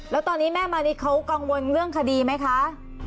แล้วตอนนี้แม่มานิดเขากังวลเรื่องคดีไหมคะ